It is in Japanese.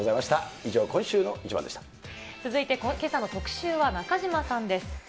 以上、続いて、けさの特シューは中島さんです。